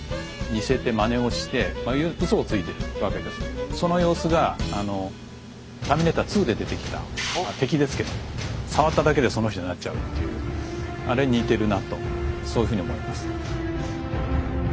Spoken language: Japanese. つまりその様子が「ターミネーター２」で出てきた敵ですけど触っただけでその人になっちゃうっていうあれに似てるなとそういうふうに思います。